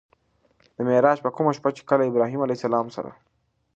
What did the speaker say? د معراج په کومه شپه چې کله د ابراهيم عليه السلام سره